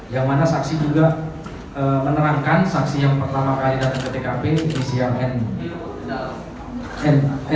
yang mana saksi juga menerangkan saksi yang pertama kali datang ke tkp di cnn